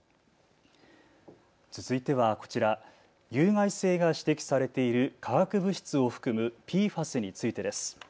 続いてはこちら、有害性が指摘されている化学物質を含むＰＦＡＳについてです。